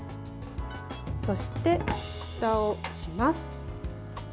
そして、ふたをします。